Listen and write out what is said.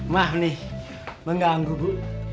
maaf nih mengganggu bu